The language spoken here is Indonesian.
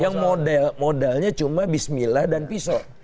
yang modalnya cuma bismillah dan pisau